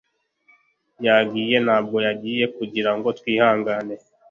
yagiye ntabwo yagiye kugirango twihangane